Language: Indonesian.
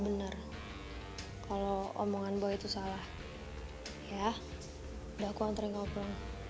bener kalau omongan boy itu salah ya udah aku antre ngoplo